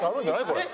これ。